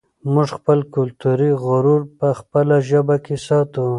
موږ خپل کلتوري غرور په خپله ژبه کې ساتو.